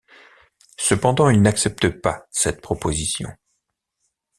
Cependant, il n'accepte pas cette proposition.